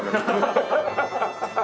ハハハハ！